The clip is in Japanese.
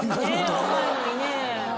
若いのにね。